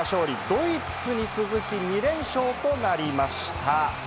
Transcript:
ドイツに続き、２連勝となりました。